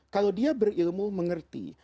kalau dia berilmu mengerti